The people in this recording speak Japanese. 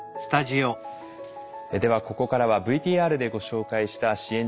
ではここからはＶＴＲでご紹介した支援